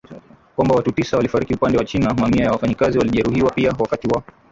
kwamba watu tisa walifariki upande wa China Mamia ya wafanyakazi walijeruhiwa pia wakati wa